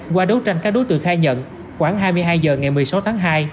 qua đấu tranh các đối tượng khai nhận khoảng hai mươi hai h ngày một mươi sáu tháng hai